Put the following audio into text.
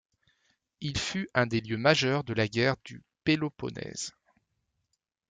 Il fut un des lieux majeurs de la guerre du Péloponnèse.